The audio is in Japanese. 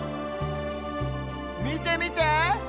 みてみて！